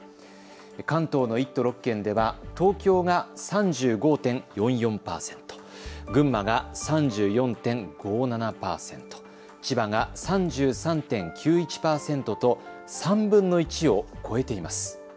関東の１都６県では東京が３５．４４％、群馬が３４．５７％、千葉が３３．９１％と３分の１を超えています。